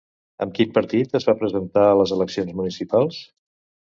Amb quin partit es va presentar a les eleccions municipals?